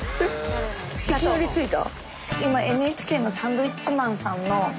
いきなり着いた？